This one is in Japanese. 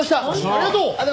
ありがとう！